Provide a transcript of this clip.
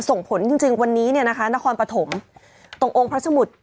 ส่งผลจริงจริงวันนี้เนี่ยนะคะนครปฐมตรงองค์พระสมุทร